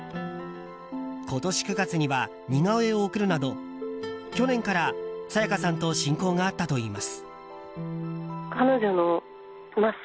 今年９月には似顔絵を贈るなど去年から沙也加さんと親交があったといいます。